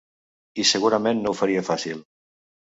I segurament no ho faria fàcil.